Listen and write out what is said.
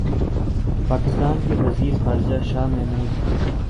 پاکستان کے وزیر خارجہ شاہ محمود